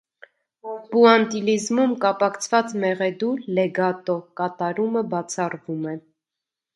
Պուանտիլիզմում կապակցված մեղեդու (լեգատո) կատարումը բացառվում է։